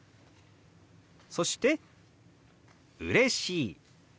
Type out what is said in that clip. そして「うれしい」。